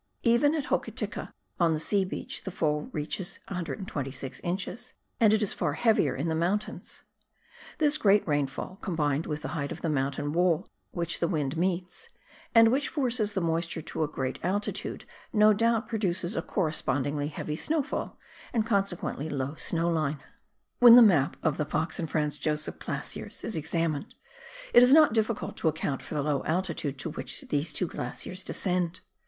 Even at Hokitika on the sea beach the fall reaches 126 ins., and it is far heavier in the mountains. This great rainfall, combined with the height of the mountain wall which the wind meets, and which forces the moisture to a great altitude, no doubt produces a correspondingly heavy snow fall and consequently low snow line. INTRODUCTOEY REMARKS. 9 "When the map* of the Fox and Franz Josef glaciers is examined, it is not difficult to account for the low altitude to which these two glaciers descend.